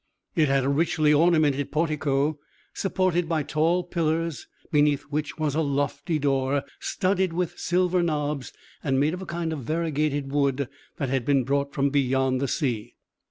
It had a richly ornamented portico, supported by tall pillars, beneath which was a lofty door, studded with silver knobs, and made of a kind of variegated wood that had been brought from beyond the sea.